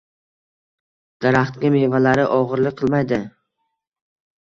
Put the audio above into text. Daraxtga mevalari ogʻirlik qilmaydi